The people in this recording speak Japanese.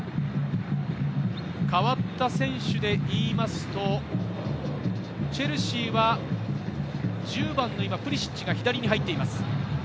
代わった選手でいいますと、チェルシーは１０番のプリシッチが左に入っています。